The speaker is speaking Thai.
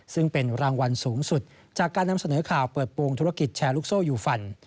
ซึ่งเป็นรางวัลสูงสุดจากการนำเสนอข่าวเปิดโปรงธุรกิจแชร์ลูกโซ่ยูฟัน